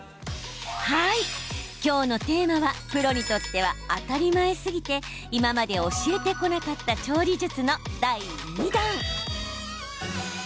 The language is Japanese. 今日のテーマはプロにとっては当たり前すぎて今まで教えてこなかった調理術の第２弾。